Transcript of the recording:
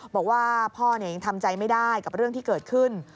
บอกว่าพ่อยังทำใจไม่ได้กับเรื่องที่เกิดขึ้น